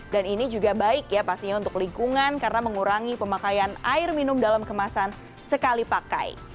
dan ini juga baik ya pastinya untuk lingkungan karena mengurangi pemakaian air minum dalam kemasan sekali pakai